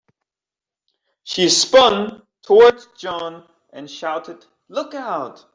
She spun towards John and shouted, "Look Out!"